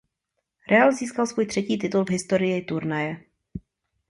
Real získal svůj třetí titul v historii turnaje.